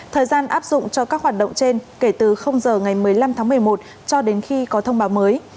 thời gian áp dụng cho các hoạt động trên kể từ giờ ngày một mươi năm tháng một mươi một cho đến khi có thông báo mới